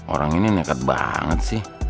orang ini nekat banget sih